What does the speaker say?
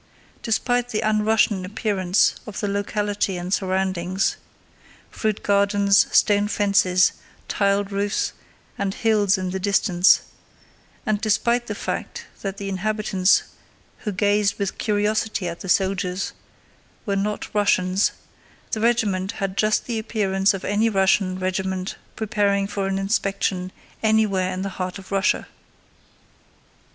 Despite the un Russian appearance of the locality and surroundings—fruit gardens, stone fences, tiled roofs, and hills in the distance—and despite the fact that the inhabitants (who gazed with curiosity at the soldiers) were not Russians, the regiment had just the appearance of any Russian regiment preparing for an inspection anywhere in the heart of Russia.